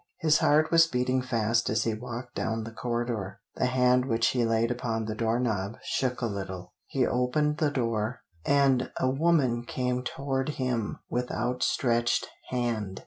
His heart was beating fast as he walked down the corridor. The hand which he laid upon the door knob shook a little. He opened the door, and a woman came toward him with outstretched hand.